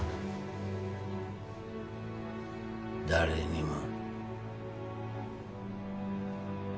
誰にも。